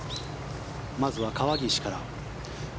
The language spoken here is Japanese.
まずは川岸から。